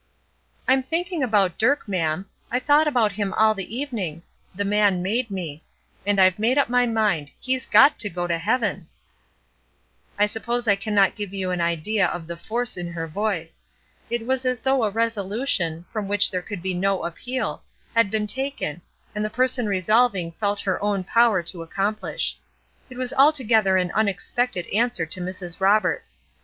"I'm thinking about Dirk, ma'am; I thought about him all the evening; the man made me; and I've made up my mind; he's got to go to heaven!" I suppose I cannot give you an idea of the force in her voice. It was as though a resolution, from which there could be no appeal, had been taken, and the person resolving felt her own power to accomplish. It was altogether an unexpected answer to Mrs. Roberts.